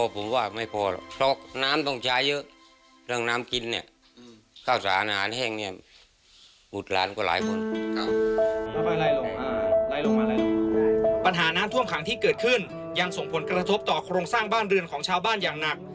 ปัญหาน้ำท่วมขังที่เกิดขึ้นยังส่งผลกระทบต่อโครงสร้างบ้านเรือนของชาวบ้านอย่างหนัก